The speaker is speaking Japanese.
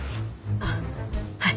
あっはい。